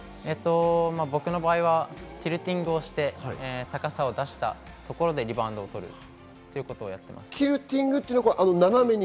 僕の場合はティルティングをして高さを出したところでリバウンドとるということをやっています。